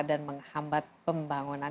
dan menghambat pembangunan